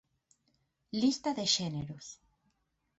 Lista de xéneros.